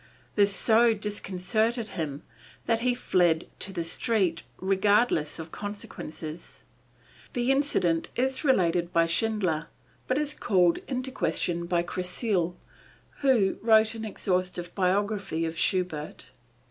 This so disconcerted him that he fled to the street, regardless of consequences. The incident is related by Schindler, but is called into question by Kreissle, who wrote an exhaustive biography of Schubert.